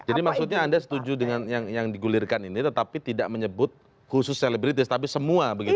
jadi maksudnya anda setuju dengan yang digulirkan ini tetapi tidak menyebut khusus selebritis tapi semua begitu